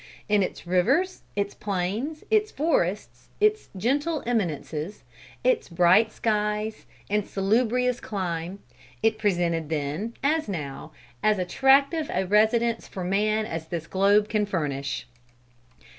In its rivers, its plains, its forests, its gentle eminences, its bright skies and salubrious clime, it presented then, as now, as attractive a residence for man as this globe can furnish.